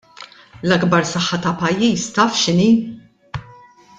L-akbar saħħa ta' pajjiż taf x'inhi?